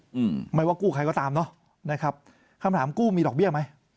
อืมไม่ว่ากู้ใครก็ตามเนอะนะครับคำถามกู้มีดอกเบี้ยไหม